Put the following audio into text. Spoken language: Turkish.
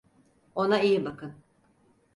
Ona iyi bakın.